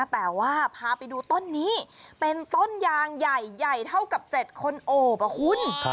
แต่ว่าพาไปดูต้นนี้เป็นต้นยางใหญ่ใหญ่เท่ากับ๗คนโอบอ่ะคุณ